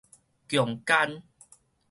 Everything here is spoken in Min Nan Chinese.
強姦